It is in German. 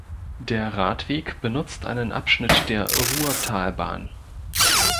Der Radweg benutzt einen Abschnitt der Ruhrtalbahn.